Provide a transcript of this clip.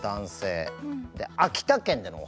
で秋田県でのお話ね。